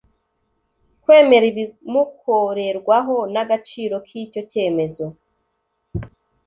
kwemera ibimukorerwaho n agaciro k icyo cyemezo